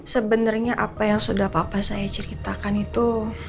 sebenarnya apa yang sudah papa saya ceritakan itu